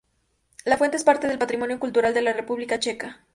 La fuente es parte del Patrimonio Cultural de la República Checa.